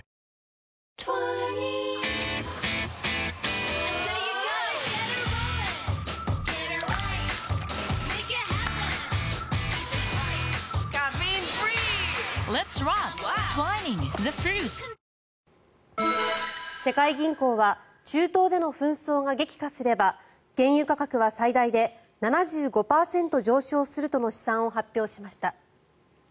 ｈｏｙｕ世界銀行は中東での紛争が激化すれば原油価格は最大で７５％上昇するとの試算を発表しました。